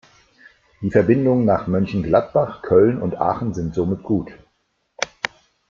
Die Verbindungen nach Mönchengladbach, Köln und Aachen sind somit gut.